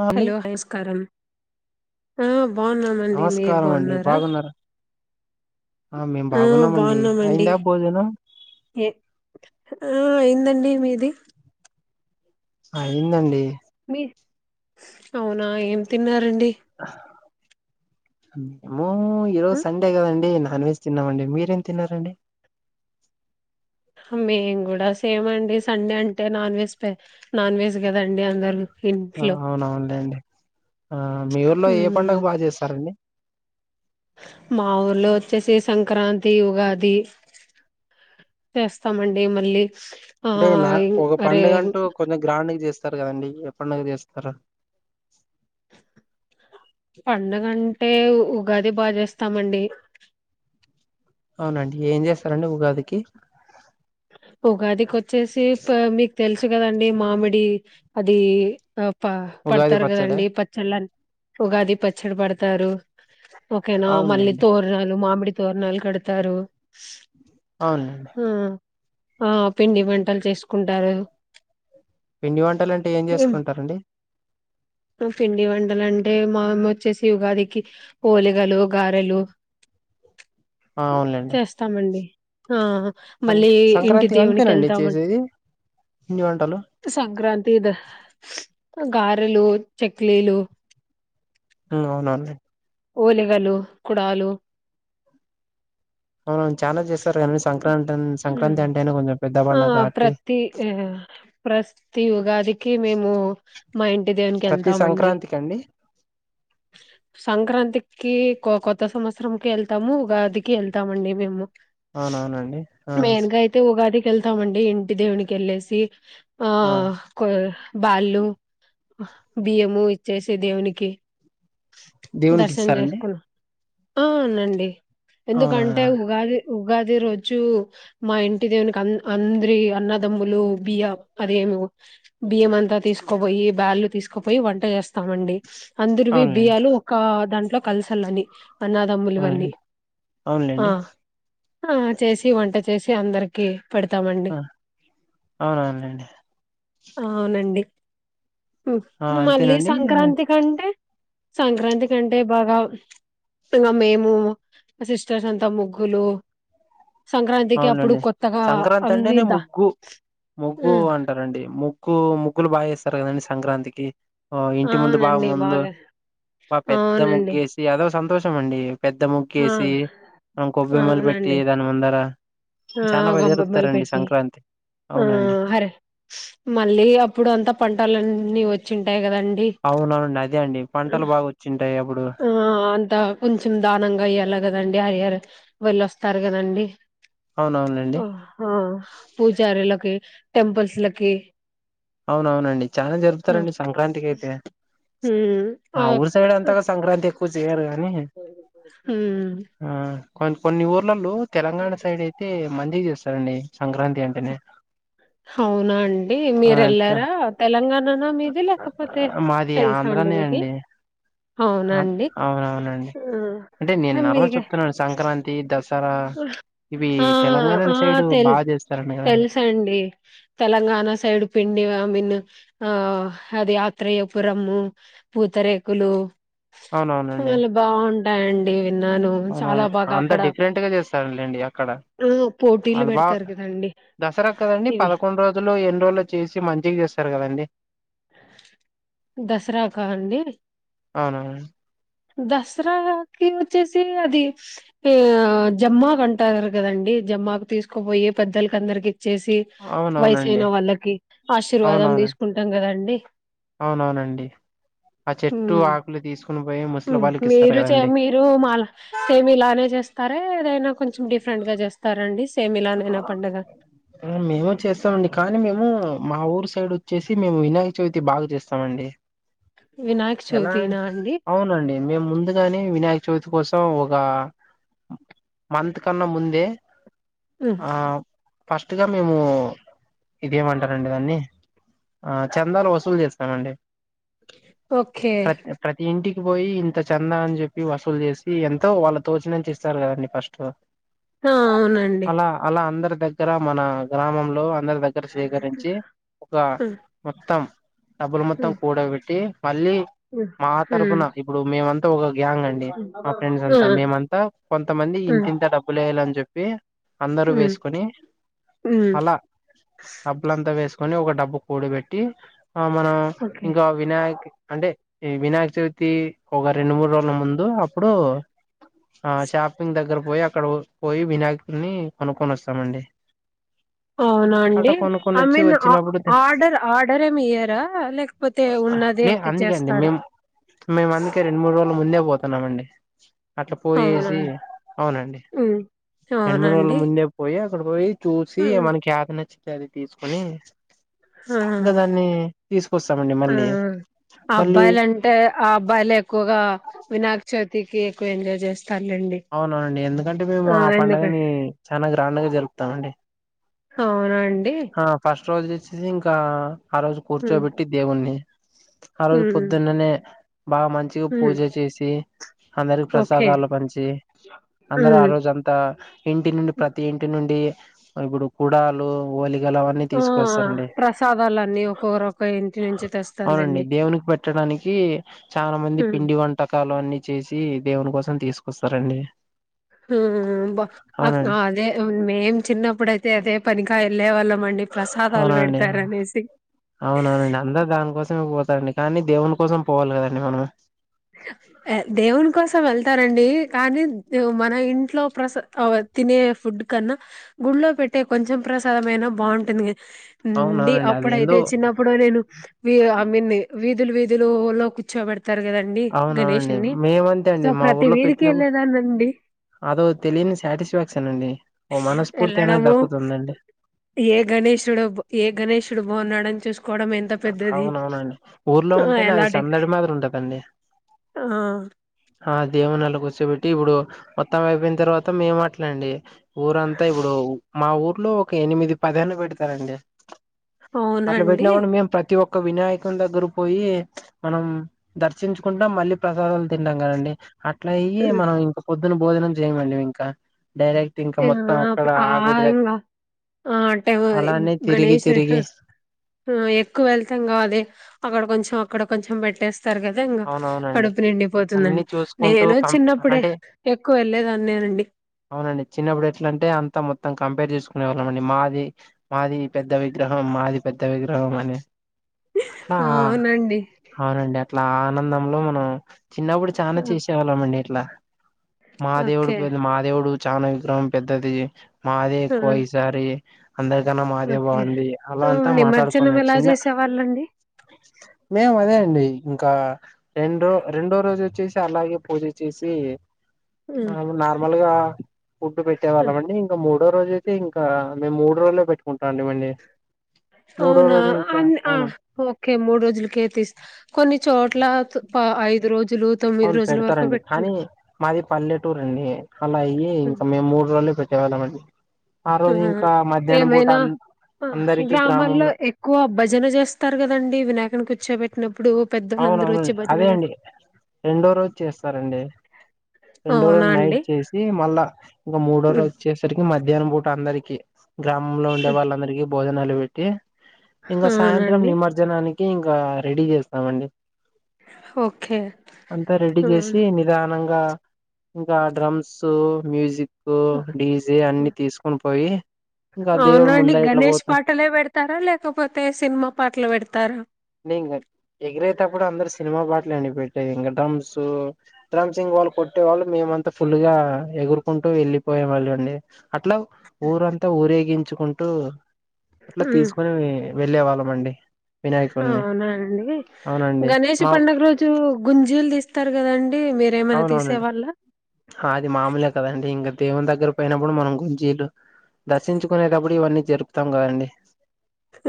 ఆ అండి హలో నమస్కారం ఆ బాగున్నామండి మీరు నమస్కారం అండి బాగున్నారా ఆ మేం బాగున్నామండి అయిందా భోజనం ఏ ఆ అయిందండి మీది అయ్యిందండి మీ అవునా ఏం తిన్నారండి ఏమో ఈరోజు సండే కదండి నాన్విజ్ తిన్నామండి మీరేం తిన్నారండి మేం కూడా సేమ్ అండి సండే అంటే నాన్ వెజ్ నాన్ వెజ్ కదండి అందరు ఆ ఇంట్లో అవునవునులే అండి ఆ మీ ఊర్లో ఏ మ్మ్ పండుగ బాగా చేస్తారండి మా ఊర్లో వచ్చేసి సంక్రాంతి ఉగాది చేస్తామండి మళ్ళీ ఆ అంటే నా ఇం- ఒక అరే పడుగంటూ కొంచెం గ్రాండ్కి చేస్త స్తారు కదండి ఏ పండుగ చేస్తారు పండగంటే ఉగాది బాగా చేస్తామండి అవునండి ఏం చేస్తారండి ఉగాదికి ఉగాదికొచ్చేసి మీకు తెలుసు కదండి మామిడి అది ప ఉగాది పడతారు పచ్చడా కదండి పచ్చళ్ళ ఉగాది పచ్చడి పడతారు ఓకేనా మళ్ళీ అవునులేండి తోరణాలు మామిడి తోరణాలు కడతారు అవునులేండి ఉ ఆ పిండి వంటలు చేసుకుంటారు పిండి వంటలంటే ఏం చేసుకుంటారండి పిండి వంటలు అంటే మా వచ్చేసి ఉగాదికి ఓలిగలు గారెలు [unintelligible] ఆ, అవునులేండి చేస్తామండి ఆ సం మళ్ళీ ఇంటి సంక్రాంతికి దేవునికి అంతేనండి వెళ్తాంమండి చేసేది పిండి వంటలు సంక్రాంతి ద గారెలు చెక్లీలు హ్మ్మ్ అవునా అండి ఓలిగలు కుడాలు అవున చాలా చేస్తారు కానీ సంక్రాంతి సంక్రాంతి హ్మ్. అంటే అయినా కొంచెం పెద్ద ఆ పండగ కాబట్టి ప్రతి ఆ ప్రతి ఉగాదికి మేము మా ఇంటి ద నికి ప్రతి వెళ్తాంమండి సంక్రాంతికి అండి సంక్రాంతికి కొత్త సంవత్సరంకి వెళ్తాము ఉగాదికి వెళ్తామండి మేము అవునవునండి ఆ మేం గా ఐతే ఉగాది కి వెళ్తామండి ఇంటి దేవునికి వెళ్ళసి ఆ కొ బ్యాళ్ళు బియ్యము ఇచ్చేసి దేవునికి దేవునికి దర్శనం ఇస్తారండి చేసుకున్నా అవునండి అవునా ఎందుకంటే ఉగాది ఉగాది రోజు మా ఇంటి దేవునికి అందరి అన్నదమ్ములు బియ్య అదిమి బియ్యం అంతా తీసుకోపోయి బ్యాళ్ళు తీసుకుపోయి వంట చేస్తామండి అందరివి అవునులేండి బియ్యాలు ఒక దాంట్లో కలసలని అనాదమ్ములువన్నీ అవునులేండి ఆ అవునులేండి ఆ చేసి వంట చేసి అందరికి పెడతామండి ఆ అవునవునండి అవునండి, ఆ ఉమ్ మళ్ళీ అంతేనండి సంక్రాంతి కంటే సంక్రాంతి కంటే బాగా ఇంగా మేము మ సిస్టర్స్ అంతా ముగ్గులు సంక్రాంతికి అప్పుడు అవునండి కొత్తగా సంక్రాంతి అన్ని అంటేనే దా ముగ్గు, ముగ్గు అంటరండి ముగ్ గ్గు ముగ్గులు బాగ ఏస్తరు కదండి సంక్రాంతికి ఆ ఇంటి ముందు బాగ అవునండి ముందు బాగా బా పెద్ద అవునండి ముగ్గేసి అదో సంతోషం అండి పెద్ద ఆ ముగ్గేసి ఆ కొబ్బెమ్మలు పెట్టి అవునండి దానిముందర ఆ గొబ్బెమ్మలు పెట్టి ఆ అవునండి హరే మళ్ళీ అప్పుడు అంతా పంటలన్నీ వచ్చింటాయి కదండి అవునా అండి అదే అండి పంటలు బాగా వచ్చింటాయి అప్ ఆ అంత కొంచెం దానంగా ఇయ్యాల గదండి హయర్ వాల్లోస్తారు గదండి, అవునవునండి ఆ హా పూజారులకి టెంపుల్స్ లకి అవునవునండి చాలా జరుపుతరండి సంక్రాంతికయితే, ఆ ఊరు సైడ్ అంతగ సంక్రాంతెక్కువ జేయర్ గదన్ హ్మ్ కొ కొన్ని ఊర్లల్లో తెలంగాణ సైడ్ అయితే మంచిగ చేస్తారండి సంక్రాంతి అంటెనే అవునా అండి మీరెళ్లారా తెలంగాన్ ననా మీది లేకపోతే తెలుసా అండి మీకు అ అవునవునండి అంటే ఆ నేన్ నర్మల్ మీకే చెప్తున్నా సంక్రాంతి దస్ తరా ఆ ఆ తెల్ చేస్తారండి కదండి తెలుసండి, తెలంగాణ సైడ్ పిండి ఇగ మిన్ ఆ అది అత్రయపురము పూతరేకులు అవునవునండి ళ్ళు బాగుంటాయండి విన్నాను చాలా బాగా అక్కడ కే చేస్తారులేండి అక్కడ ఆ పోటీలు వాళ్ళు బా పెడతారు కదండి దసరా క్కదండి ఇవి పదకొండు రోజులో ఎన్ రోజులో చేసి మంచిగ చేస్తారు కదండి దసరా కాదండి అవునవును దసరాకి ఒచ్చేసి అది ఆ జమ్మాకంటారు గదండి జమ్మాకు తీసుకోబోయి పెద్దలకందరికి చ్చేసి వయసైన అవునవునండి వాళ్ళకి ఆశీర్వాదం అవునవును తీసుకుంటాం గదండి అవునవునండి, ఆ చెట్టు ఆకులు తీసుకున్ ఉమ్ మీరు చే మీరు మాల సేమ్ ఇలానే జేస్తారా ఎన్ ఏదైనా కొంచెం డిఫరెంట్ గ జేస్తార అండి ఎ మేము చేస్తామండి కానీ మేమూ మా ఊరు సైడ్ చ్చేసి మేము ఇనాయక చవితి బాగా చేస్తామండి వినాయక ఎలా చవితినా అండి అవునండి మేము ముందుగానే వినాయక చవ్త్ దు కోసం ఒకా మంత్ కన్నా ముందే హ్మ్ ఆ ఫస్ట్ గ మేము ఇదేమంటరండి దాన్ని ఆ చందాలు వసూలు జేస్తామండి ఓకే ప్రత్ ప్రతి ఇంటికి కి పోయి ఇంత చందా అన్ జెప్పి వసూలు జేసి ఎంతో వాళ్ళ తోచినంత ఇస్తారు గదండి ఫస్ట్ ఆ అవునండి అలా అలా అందరి దగ్గర మన గ్రామంలో అక్ అందరి దగ్గర సేకరించి ఒక హ్మ్ మొత్తం డబ్బులు మొత్తం హ్మ్ కూడ బెట్టి మల్లి మా హ్మ్ తరపున హ్మ్ ఇప్పుడు మేమంతా ఒక గ్యాంగ్ అండి, మా ఆ ఫ్రెండ్స్ ఆ అంతా మేమంతా కొంతమంది ఇన్ హ్మ్ ఇంతింత డబ్బులేయలన్ చెప్పి అందరూ వేసుకొని హ్మ్ అలా డబ్బులంతా వేసుక్ కొని ఒక డబ్బు కూడ బెట్టి ఆ మనం ఓకే ఇంకా వినాయక్ అంటే ఈ వినాయక చవితి ఒక రెండు మూడు రోజుల ముందు అప్పుడు ఆ షాపింగ్ దగ్గర పోయి అక్కడ పోయి వినాయకుని కొనుక్కొని వస్తామండి ఆ అవునా అట్ట అండి కొనుక్కొని ఐ వచ్చి మీన్ వచ్చినప్పుడు ఆర్డర్ ఆర్డర్ ఏమి ఇయ్యరా లేకపోతే ఉన్నదే లే అందుకే అండి తెచ్చేస్తారా మేము మేము అందుకే రెండు మూడు రోజుల ముందే పోతున్నామండి అట్లా అవునా పోయేసి అండి. అవునండి హ్మ్ రెండు మూడు రోజుల అవునండి ముందే పోయి అక్కడ పోయి చూసి హ్మ్ మనకి యాది నచ్చితే అది తీసుకొని ఆ గ దాన్ని తీసుకొస్తామండి మళ్ళీ మళ్ళీ అబ్బాయిలు అంటే అబ్బాయిలు ఎక్కువగా వినాయక చవితికి ఎక్కువ ఎంజాయ్ చేస్ అవునవునండి ఎందుకంటే మేము ఆ ఎందుక పండుగని చానా గ్రాండ్గా జరుపుతామండి అవునా అండి ఆ ఫస్ట్ రోజు వచ్చేసి ఇంకా ఆ రోజు ఉమ్ కూర్చోబెట్టి దేవుణ్ణి ఆ రోజు ఉమ్ పొద్దున్ననే బాగా మంచిగా ఉమ్ పూజ చేసి అందరికి ఓకే ప్రసాదాలు పంచి అందరు ఆ ఉమ్ రోజంతా ఇంటి నుండి ప్రతి ఇంటి నుండి ఇప్పుడు కుడాలు ఓలి ల అవన్నీ ఆ తీసుకొస్తారండి ప్రసాదాలన్నీ ఒక్కొక్కరు ఒక్క ఇంటి నుంచి అవునండి తెస్తారులేండి దేవునికి పెట్టడా నికి చాలా మంది ఉమ్ పిండి వంటకాలు అన్ని చేసి దేవుని కోసం తీసుకొస్తారండి ఉమ్ బా అవునండి అదే మేం చిన్నప్పుడుయితే అదే పనికాయ వెళ్ళే వాళ్ళం అండి ప్రసాదాలు అవునా అండి పెడతారనేసి అవునవును అండి అందరు దానికోసమే పో తారండి కానీ దేవుని కోసం పోవాలి కదండి మనం అ దేవున్ కోస సం వెళ్తారండి కానీ మన ఇంట్లో ప్రస తినే ఫుడ్ కన్నా గు గుల్లో పెట్టే కొంచెం ప్రసాదమయినా బావుంటుందిగా డి అవునవునండి అది ఎందో అప్పుడైతే చిన్నప్పుడు నేను ఐ మీన్ వీధులు వీధులు లో కూర్చోబెడతారు కదండి అవునవునండి గణేషుని మేమంతే సో అండి మా ప్రతి ఊర్లో వీధికి పెట్టినప్పుడు ఎల్లేదానండి అదో తెలియని సాటిస్ఫాక్షన్ అండి ఓ మనస్ఫూర్తి అనేది వెళ్ళడము దక్కుతుందండి ఏ గణేషుడు ఏ గణేషుడు బాగున్నాడని చూసు కోడం ఎంత పెద్దది అవునవునండి ఊర్లో ఉంటేనే ఎలా అది డెక సందడి మాదిరి ఉంటదండి ఆ ఆ దేవుని అల కూర్చోబెట్టి ఇప్పుడు మొత్తం అయిపోయిన తర్వాత మేము అట్లే అండి ఊరంతా ఇప్పుడు మా ఊర్లో ఒక ఎనిమిది పదాన్న పెడతారండి అవునా అట్లా అండి పెట్టినప్పుడు మేము ప్రతి ఒక్క వినాయకుని దగ్గర పోయి మనం దర్శించుకుంటాం మళ్ళీ ప్రసాదాలు తింటాం కదండి అట్లా అయి హ్మ్. మనం ఇంకా పొద్దున భోజనం చేయమండి ఇంకా డైరెక్ట్ ఇంకా మొత్తం ఆ అక్కడ అప్పుడు ఆ గుడి దగ్గ ఇంగా ఆ అంటే అలానే తిరిగి తిరిగి ఉ ఎక్కువ వెళ్తాం కదా అక్కడ కొంచం అక్కడ కొంచం పెట్టేస్ స్తారు కదా ఇంకా అవునవునండి కడుపు అన్ని నిండిపోతుందండి చూసుకుంటూ నేను కం చిన్నప్పుడే అంటే ఎక్కువ వెళ్ళేదాన్ని అండి అవునండి చిన్నప్పుడు ఎట్లా అంటే అంతా మొత్తం కంపేర్ చేసుకునే వాళ్ళం అండి మాది మాది పెద్ద విగ్రహం మాది పె పెద్ద విగ్రహం అని అట్లా అవునండి అవునండి అట్లా ఆనందంలో మనం చిన్నప్పుడు ఆ! చానా చేసేవాళ్ళం అండి ఇట్లా మాదేవుడు ఓకే పె మాదేవుడు చానా విగ్రహం పెద్దది మాదే ఆ! ఎక్కువ ఈసారి అందరికన్నా మాదే ఓకే బాగుంది అలా అంతా మాట్లాడుకునేది చిన్న లండి మేము అదే అండి ఇంకా రెండో రెండో రోజు వచ్చేసి అలాగే పూజ చేసి హ్మ్. నార్మల్ గా ఫుడ్డు పెట్టేవాళ్ళ హ్మ్. అండి ఇంకా మూడు మడో రోజు అయితే ఇంకా మేము మూడు రోజుల్లో పెట్టుకుంటాటిమి అండి అవునా అ ఓకే మూడు రోజులక తీస్తా కొన్ని చోట్ల ఐదు రోజు అవును పెడతారండి కానీ మాది పల్లెటూరు అండి అలా అయ్యి హ్మ్. ఇంకా మేము మూడు రోజులే పె వాలమండి ఆ రోజు ఇంకా మధ్యాహ్నం పూట ఏమైనా అ ఆ గ్రామాల్లో ఎక్కువ భజన చేస్తారు కదండి వినాయకని కూర్చోబెట్టినప్పుడు పెద్దోళ్ళందరూ వచ్చి అవునవునండి భజన అదే చేస్త అండి రెండో రోజు చేస్తారండి రెండో అవునా రోజులు అండి నైట్ చేసి మళ్ళా ఇంకా మూడుోజు హ్మ్. వచ్చేసరికి మ మధ్యానం పూట అందరికీ గ్రామంలో ఉండే హ్మ్. వాళ్ళందరికీ భోజనాలు పెట్టి ఇంకా సాయంత్రం అవునండి నిమర్జనానికి ఇంకా రెడీ చేస్తామండి ఓకే అంతా రెడీ హ్మ్. చేసి నిదానం గా ఇంకా ఇంకా డ్రమ్స్ మ్యూజిక్ కు డీజే అన్ని తీసుకోని పోయి ఇంకా దేవుడు అవునండి ముందర ఇట్లా గణేష్ పోతా పాటలే పెడతారా లేకపోతే సినిమా పాటలు పెడతారా తే ఇంగ ఎగిరేటప్పుడు అందరు సినిమా పాటలే అండి పెట్టేది ఇంకా డ్రమ్స్ డ్రమ్స్ ఇంగ వాళ్ళు కొట్టే వాళ్ళు మేమంతా ఫుల్ గా ఎగురుకుంటూ వెళ్ళిపోయేవాళ్ళు అండి అట్లా ఊరంతా ఊరేగించు కుంటూ అట్లా తీసుకోని వెళ్ళే వాళ్ళం అండి వినాయకుని అవునా అండి గణేష్ పండుగ రోజు గుంజీలు తీస్తారు కద ఆన్ అవునవునండి అది మామూలే కదండి ఇంగ దేవుని దగ్గర పోయినప్పుడు మనం గుంజీలు దర్శించుకునేటప్పుడు ఇవన్నీ జరుపుతాం కదండి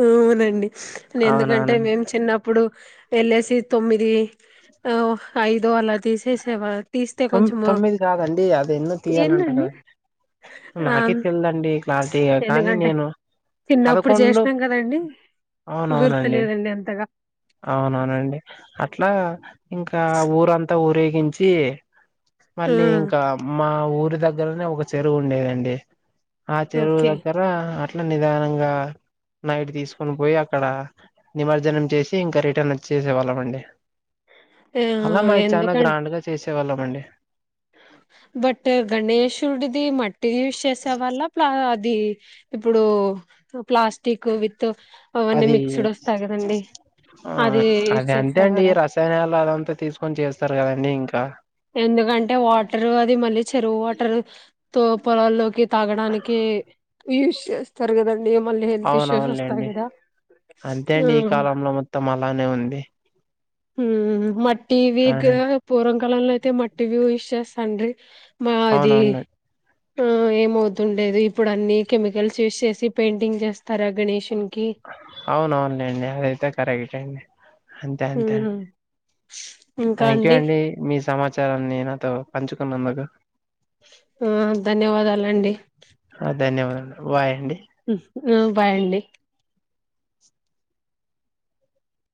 అవునండి ఎందుకంటే అవునవునండి మేము చిన్నప్పుడు వెళ్ళేసి తొమ్మిది ఓ ఐదు అలా తీసేసేవా తీస్తే తో కొంచెము తొమ్మిది కాదండి అవి ఎన్నో తీయాలంట ఏందండి కదండీ ఆ నాకే తెలిదండి క్లారిటీ కానీ ఎందుకంటే నేను చిన్నప్పుడు పదకొండు చేసినాం కదండి అవునవునండి గుర్తులేదండి అంతగా అవునవునండి అట్లా ఇంకా ఊరంతా ఊరేగించి ఆ మళ్ళీ ఇంకా మ్ మా ఊరి దగ్గరనే ఒక చెరువు ఉండేదండి ఆ చెరువు ఓకే దగ్గర అట్ల నిదానంగా నైట్ తీసుకొని పోయి అక్కడ నిమర్జనం చేసి ఇంకా రిటర్న్ వచ్చేసేవాళ్ళం అండి ఆ అలా మాది ఎందు చాలా గ్రాండ్ గా చేసేవాళ్ళం అండి బట్ గణేశుడిది మట్టిది యూస్ చేసే వాళ్ళ ప్లా ది ఇప్పుడు ప్లాస్టిక్ విత్ అవన్నీ అది మిక్స్డ్ వస్తాయి కదండి ఆ యూజ్ అది అంతే అండి చేసేవారా రసాయనాలు అదంతా తీసుకొని చేస్తారు కదండి ఇంకా ఎందుకంటే వాటర్ అది మళ్ళీ చెరువు వాటర్ తో పొలాల్లోకి తాగడానికి యూస్ చేస్తారు కదా ని మళ్ళీ హల్త్ ఇష్యూస్ వస్తాయి అవునవునులేండి కదా అంతే ఉ అండి ఈ కాలంలో మొత్తం అలానే ఉంది హు మట్టి విగ్ అవునండి పూర్వం కాలంలో అయితే మట్టి వి యూస్ చేస్తాండ్రి అవున అండి ఉ ఏమవుతుండేది ఇప్పుడు అన్ని కెమికల్స్ యూస్ చేసి పెయింటింగ్ చేస్తారా గణేషున్ కి అవును అవునులేండి అదైతే కరెక్ట్ యే అంతే అంతే అండి మ్మ్ థ్యాంక్ యూ అండి మీ సమాచారాన్ని నాతో పంచుకున్నందుకు ఉ ధన్యవాదాలండి ఆ ధన్యవాదాలు బై అండి హు బాయండి